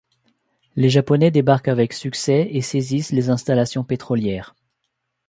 Les Japonais débarquent avec succès et saisissent les installations pétrolières.